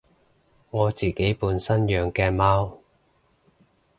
我自己本身養嘅貓